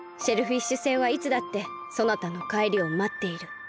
シェルフィッシュ星はいつだってそなたのかえりをまっている。